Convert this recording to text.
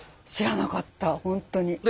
知らなかった本当に。